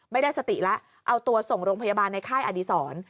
ไม่ได้สติแล้วเอาตัวส่งโรงพยาบาลในค่ายอดีศร